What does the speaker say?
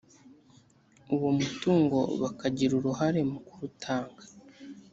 uwo mutungo bakagira uruhare mu kurutanga